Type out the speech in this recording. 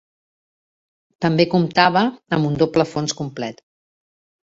També comptava amb un doble fons complet.